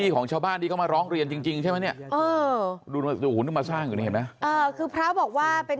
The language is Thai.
เขาเรียกแบบนั้น